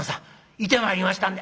行ってまいりましたんで」。